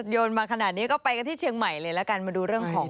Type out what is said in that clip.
โยนมาขนาดนี้ก็ไปกันที่เชียงใหม่เลยละกันมาดูเรื่องของ